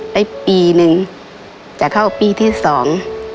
ในปีหนึ่งจากเข้าปีที่สอง